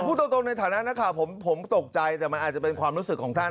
ผมพูดลงตรงในสถานที่นั่นนะคะผมตกใจแต่มันอาจจะเป็นความรู้สึกของท่าน